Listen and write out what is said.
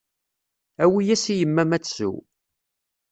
Awi-yas i yemma-m ad tsew.